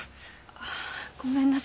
あっごめんなさい。